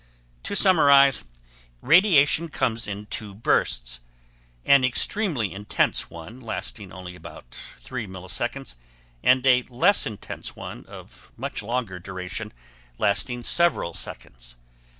To summarize, radiation comes in two bursts an extremely intense one lasting only about 3 milliseconds and a less intense one of much longer duration lasting several seconds.